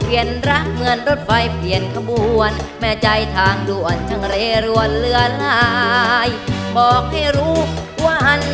แผ่นที่๑นะครับ